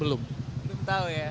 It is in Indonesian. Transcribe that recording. belum tahu ya